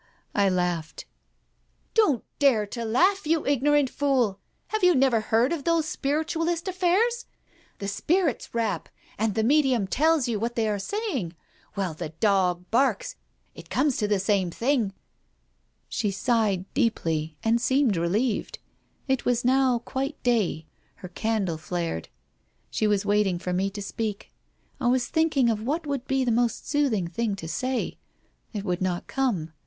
" I laughed. "Don't dare to laugh, you ignorant fool. Have you never heard of those spiritualist affairs? The spirits rap, and the medium tells you what they are saying. Well, the dog barks — it comes to the same thing " She sighed deeply and seemed relieved. It was now quite day. Her candle flared. She was waiting for me to speak. I was "thinking of what would be the most soothing thing to say. ... It would not come.